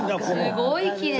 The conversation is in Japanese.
すごいきれい。